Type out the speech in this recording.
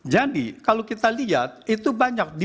jadi kalau kita lihat itu banyak diberikan